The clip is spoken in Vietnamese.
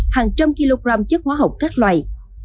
hàng trăm kg chất hóa học các loại